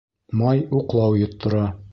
Май уҡлау йоттора.